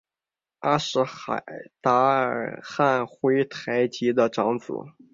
阿什海达尔汉珲台吉的长子。